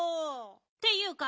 っていうか